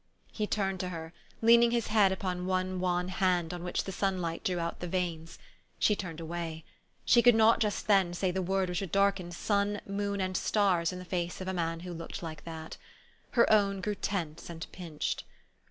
He turned to her, leaning his head upon one wan hand on which the sunlight drew out the veins. She turned away. She could not just then say the word which would darken sun, moon, and stars in the face of a man who looked like that. Her own grew tense and pinched.